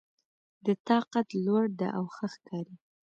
د تا قد لوړ ده او ښه ښکاري